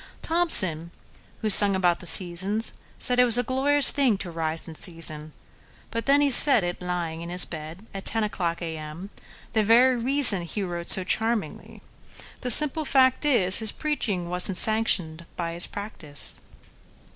Thomson, who sung about the "Seasons," saidIt was a glorious thing to rise in season; But then he said it—lying—in his bed, At ten o'clock A.M.,—the very reasonHe wrote so charmingly. The simple fact is, His preaching was n't sanctioned by his practice.